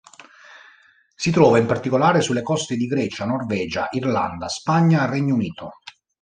Si trova in particolare sulle coste di Grecia, Norvegia, Irlanda, Spagna, Regno unito.